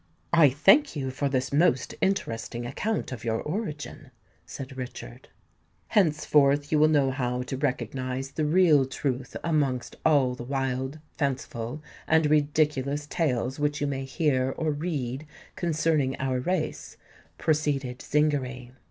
"I thank you for this most interesting account of your origin," said Richard. "Henceforth you will know how to recognise the real truth amongst all the wild, fanciful, and ridiculous tales which you may hear or read concerning our race," proceeded Zingary.